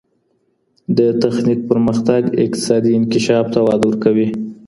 د تخنیک پرمختګ اقتصادي انکشاف ته وده ورکوي.